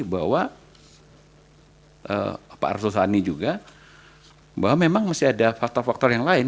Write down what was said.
bahwa pak arsul sani juga bahwa memang masih ada faktor faktor yang lain